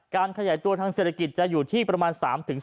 ขยายตัวทางเศรษฐกิจจะอยู่ที่ประมาณ๓๔